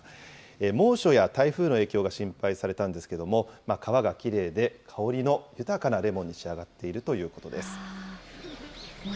猛暑や台風の影響が心配されたんですけれども、皮がきれいで、香りの豊かなレモンに仕上がっているということです。